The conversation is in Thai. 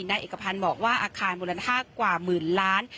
นายเอกพันธ์บอกว่าอาคารมูลค่ากว่าหมื่นล้าน